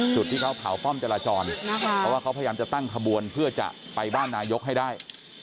จุดที่เขาเผาป้อมจราจรเพราะว่าเขาพยายามจะตั้งขบวนเพื่อจะไปบ้านนายกให้ได้